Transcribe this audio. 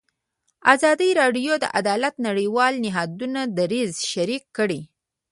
ازادي راډیو د عدالت د نړیوالو نهادونو دریځ شریک کړی.